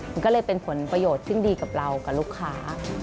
มันก็เลยเป็นผลประโยชน์ซึ่งดีกับเรากับลูกค้า